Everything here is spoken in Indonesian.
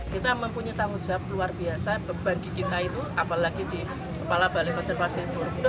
kita mempunyai tanggung jawab luar biasa bagi kita itu apalagi di kepala balai konservasi borobudur